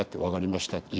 「分かりました。